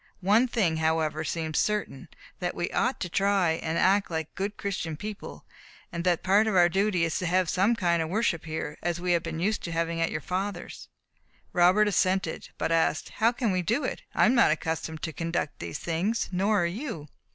One thing, however, seems certain, that we ought to try and act like good Christian people; and that part of our duty is to have some kind of worship here, as we have been used to having at your father's." Robert assented, but asked, "How can we do it? I am not accustomed to conduct these things, nor are you."